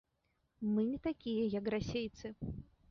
Мы не такія як расейцы!